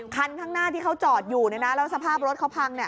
คันข้างหน้าที่เขาจอดอยู่แล้วสภาพรถเขาพัง